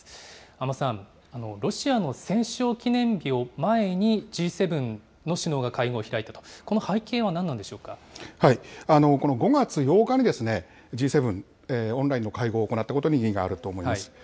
安間さん、ロシアの戦勝記念日を前にＧ７の首脳が会合を開いたと、この５月８日にＧ７、オンラインの会合を行ったことに意義があると思います。